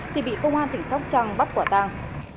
thì bị công an tỉnh sóc trăng bắt quả tang